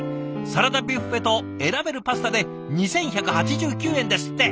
サラダビュッフェと選べるパスタで２，１８９円ですって。